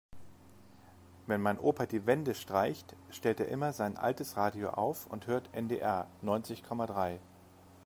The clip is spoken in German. Wenn mein Opa die Wände streicht, stellt er immer sein altes Radio auf und hört NDR neunzig Komma drei.